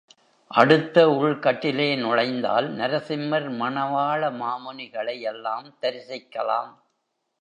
அடுத்த உள் கட்டிலே நுழைந்தால் நரசிம்மர், மணவாள மாமுனிகளை எல்லாம் தரிசிக்கலாம்.